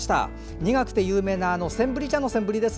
苦くて有名なセンブリ茶のセンブリです。